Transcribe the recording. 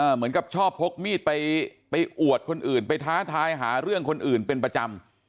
เหมือนกับชอบพกมีดไปอวดคนอื่นไปท้าทายหาเรื่องคนอื่นเป็นประจำ